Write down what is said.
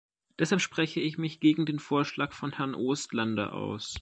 Deshalb spreche ich mich gegen den Vorschlag von Herrn Oostlander aus.